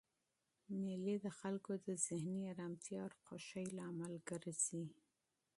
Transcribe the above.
مېلې د خلکو د ذهني ارامتیا او خوښۍ لامل ګرځي.